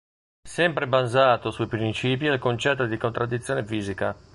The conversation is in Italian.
Sempre basato sui principi è il concetto di contraddizione fisica.